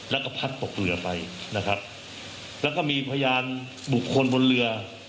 แล้วก็พัดตกเรือไปนะครับแล้วก็มีพยานบุคคลบนเรือ